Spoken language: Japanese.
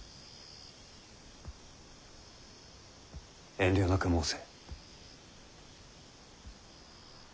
遠慮なく申せ。